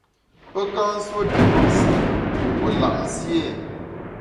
Pe nka nsuo tù kùsù wu lap nsié ?